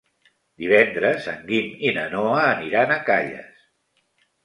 Divendres en Guim i na Noa aniran a Calles.